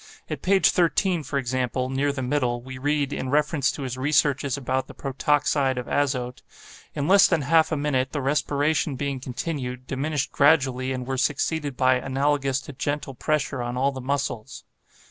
At page 13, for example, near the middle, we read, in reference to his researches about the protoxide of azote: 'In less than half a minute the respiration being continued, diminished gradually and were succeeded by analogous to gentle pressure on all the muscles.